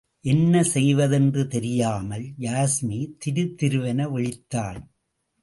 என்ன செய்வதென்று தெரியாமல் யாஸ்மி திருதிருவென விழித்தாள்.